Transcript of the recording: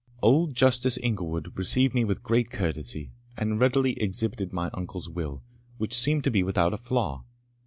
Old Justice Inglewood received me with great courtesy, and readily exhibited my uncle's will, which seemed to be without a flaw.